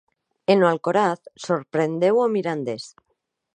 E no Alcoraz sorprendeu o Mirandés.